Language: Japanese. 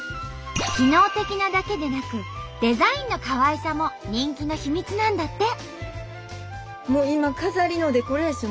機能的なだけでなくデザインのかわいさも人気の秘密なんだって！